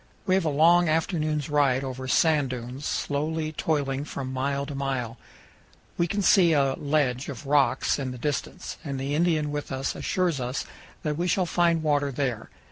We have a long afternoon's 334 CANYONS OF THE COLORADO. ride over sand dunes, slowly toiling from mile to mile. We can see a ledge of rocks in the distance, and the Indian with us assures us that we shall find water there.